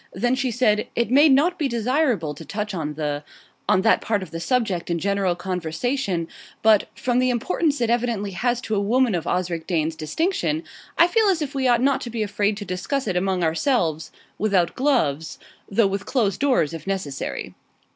Then she said: "It may not be desirable to touch on the on that part of the subject in general conversation; but, from the importance it evidently has to a woman of Osric Dane's distinction, I feel as if we ought not to be afraid to discuss it among ourselves without gloves though with closed doors, if necessary."